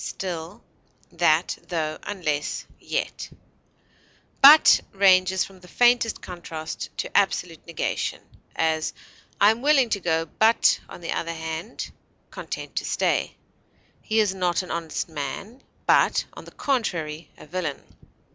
further, nevertheless, still, But ranges from the faintest contrast to absolute negation; as, I am willing to go, but (on the other hand) content to stay; he is not an honest man, but (on the contrary) a villain.